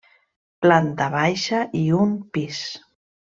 Planta baixa i un pis.